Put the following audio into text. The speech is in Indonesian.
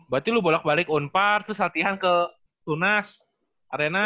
berarti lu bolak balik unpar terus latihan ke tunas arena